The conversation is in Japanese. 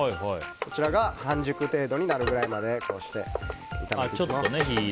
こちらが半熟程度になるまでこうして炒めていきます。